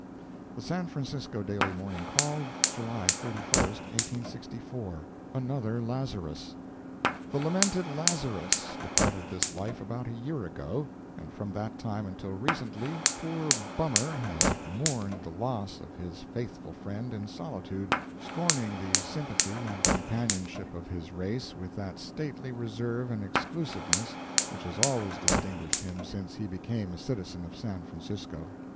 The San Francisco Daily Morning Call, July 31, 1864 ANOTHER LAZARUS The lamented Lazarus departed this life about a year ago, and from that time until recently poor Bummer has mourned the loss of his faithful friend in solitude, scorning the sympathy and companionship of his race with that stately reserve and exclusiveness which has always distinguished him since he became a citizen of San Francisco.